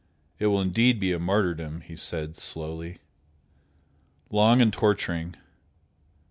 "It will be indeed a martyrdom!" he said, slowly, "Long and torturing!